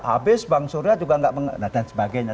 habis pak surya juga tidak mengenal dan sebagainya